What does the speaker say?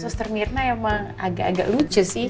suster mirna emang agak agak lucu sih